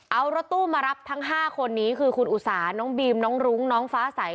เอารถตู้มารับทั้ง๕คนนี้คือคุณอุสาน้องบีมน้องรุ้งน้องฟ้าใส